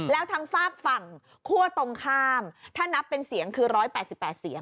แล้วทางฝากฝั่งคั่วตรงข้ามถ้านับเป็นเสียงคือ๑๘๘เสียง